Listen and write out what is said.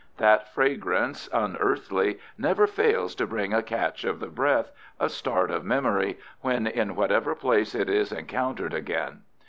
That fragrance, unearthly, never fails to bring a catch of the breath, a start of memory, when in whatever place it is encountered again.